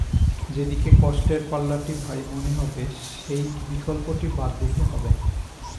যেদিকে কষ্টের পাল্লাটি ভারী মনে হবে, সেই বিকল্পটি বাদ দিতে হবে।